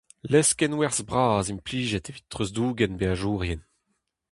Lestr kenwerzh bras implijet evit treuzdougen beajourien.